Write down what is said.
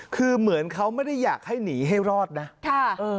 คือเหมือนเขาไม่ได้อยากให้หนีให้รอดนะค่ะเออ